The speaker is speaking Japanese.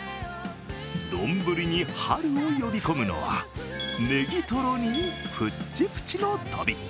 丼に春を呼び込むのはねぎとろにプチプチのとびっこ。